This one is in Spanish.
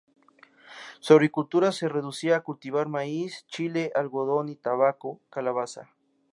Su agricultura se reducía a cultivar maíz, chile, algodón, tabaco y calabaza.